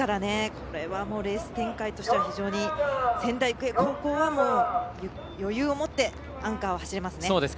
これはレース展開としては非常に仙台育英、余裕を持ってアンカーは走れますね。